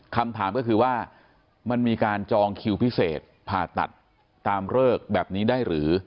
คำถามก็คือว่ามันมีการจองคิวพิเศษผ่าตัดตามเลิกแบบนี้ได้หรือ